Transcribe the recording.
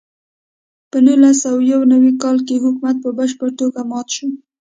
په نولس سوه یو نوي کال کې حکومت په بشپړه توګه مات شو.